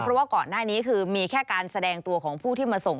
เพราะว่าก่อนหน้านี้คือมีแค่การแสดงตัวของผู้ที่มาส่ง